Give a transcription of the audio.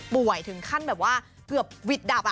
ป่วยถึงขั้นแบบว่าเกือบดับ